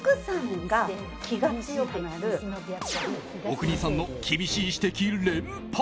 阿国さんの厳しい指摘連発。